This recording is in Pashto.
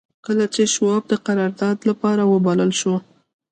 کله چې شواب د قرارداد لپاره وبلل شو.